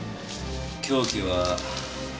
凶器は。